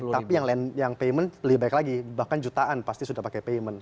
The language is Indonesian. tapi yang payment lebih baik lagi bahkan jutaan pasti sudah pakai payment